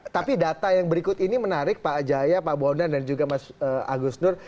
tapi data yang berikut ini menarik pak jaya pak bondan dan juga mas agus nur